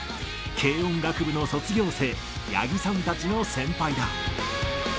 軽音楽部の卒業生、八木さんたちの先輩だ。